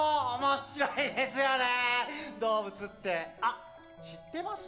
あっ知ってます？